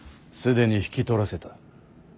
既に引き取らせた。